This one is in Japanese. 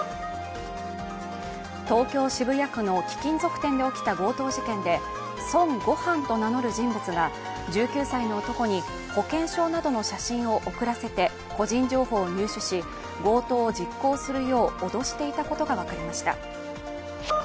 東京・渋谷区の貴金属店で起きた強盗事件で孫悟飯と名乗る人物が１９歳の男に保険証などの写真を送らせて個人情報を入手し、強盗を実行するよう脅していたことが分かりました。